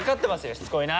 しつこいな。